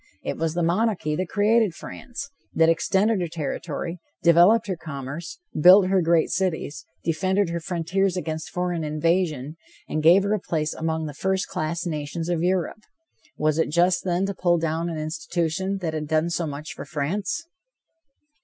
It was the monarchy that created France, that extended her territory, developed her commerce, built her great cities, defended her frontiers against foreign invasion, and gave her a place among the first class nations of Europe. Was it just, then, to pull down an institution that had done so much for France?